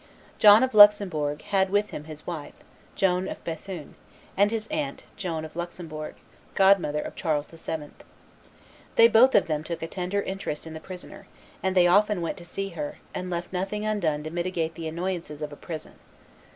John of Luxembourg had with him his wife, Joan of Bethune, and his aunt, Joan of Luxembourg, godmother of Charles VII. They both of them took a tender interest in the prisoner; and they often went to see her, and left nothing undone to mitigate the annoyances of a prison.